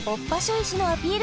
石のアピール